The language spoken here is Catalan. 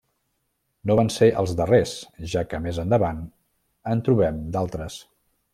No van ser els darrers, ja que més endavant en trobem d'altres.